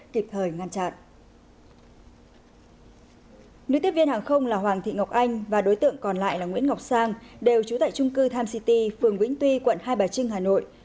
tiếp viên hàng không là hoàng thị ngọc anh và đối tượng còn lại là nguyễn ngọc sang đều trú tại trung cư tham city phường vĩnh tuy quận hai bà trưng hà nội